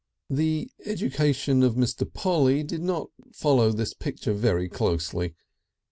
The education of Mr. Polly did not follow this picture very closely.